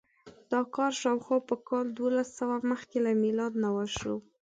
دا کار شاوخوا په کال دوولسسوه مخکې له میلاد نه وشو.